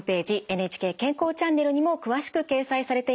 「ＮＨＫ健康チャンネル」にも詳しく掲載されています。